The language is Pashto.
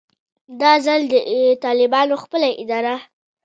دا ځل د طالبانو خپله اداره